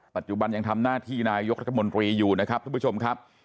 ปัจจุบันยังทำหน้าที่นายกรัฐมนตรีอยู่นะครับทุกผู้ชมครับ